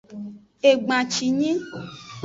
Egbancinyi.